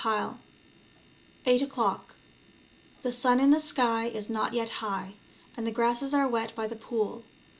^ Eight Oclock voarmer IVdSun in the Sky Grows Is not yet high. And the Grasses are wet by thePool